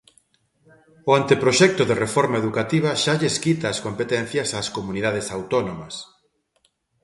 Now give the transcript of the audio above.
O anteproxecto de reforma educativa xa lles quita as competencias ás comunidades autónomas.